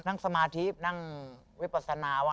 นั่งสมาธิบนั่งวิปสนาวะ